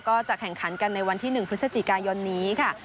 ก็จะแข่งขันกันในวันที่๑พฤศจิกายนนี้ค่ะ